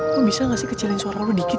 kok bisa gak sih kecilin suara lo dikit